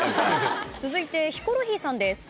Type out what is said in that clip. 続いてヒコロヒーさんです。